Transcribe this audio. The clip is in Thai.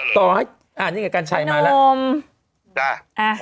ต่อให้อันนี้ไงกัญชัยมาแล้ว